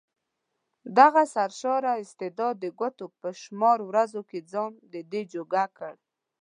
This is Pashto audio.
دغه سرشاره استعداد د ګوتو په شمار ورځو کې ځان ددې جوګه کړ.